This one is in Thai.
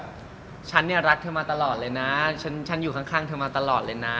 กลับที่แข็งว่าฉันเนี่ยรักเธอมาตลอดเลยนะฉันอยู่ข้างเธอมาตลอดเลยนะ